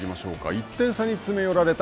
１点差に詰め寄られた